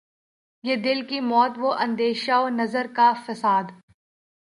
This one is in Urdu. یہ دل کی موت وہ اندیشہ و نظر کا فساد